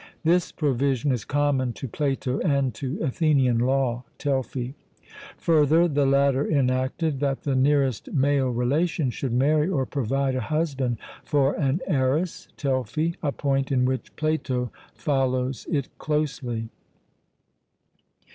This provision is common to Plato and to Athenian law (Telfy). Further, the latter enacted that the nearest male relation should marry or provide a husband for an heiress (Telfy), a point in which Plato follows it closely.